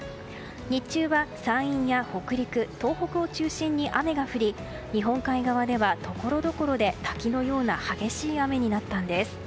日中は山陰や北陸、東北を中心に雨が降り、日本海側ではところどころで滝のような激しい雨になったんです。